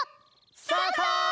スタート！